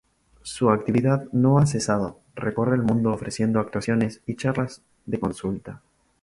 Su actividad no ha cesado: recorre el mundo ofreciendo actuaciones y charlas de consulta.